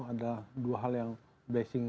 ada dua hal yang blessing